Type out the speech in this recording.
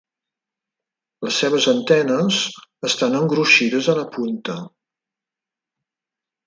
Les seves antenes estan engruixides a la punta.